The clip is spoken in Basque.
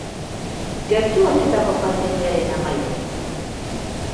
Gertu ote dago pandemiaren amaiera?